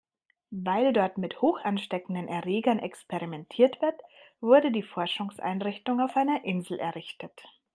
Weil dort mit hochansteckenden Erregern experimentiert wird, wurde die Forschungseinrichtung auf einer Insel errichtet.